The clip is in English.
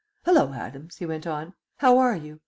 Hullo, Adams," he went on, "how are you?